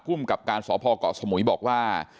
คุมกับกสพเกาะสมั้ยบอกว่า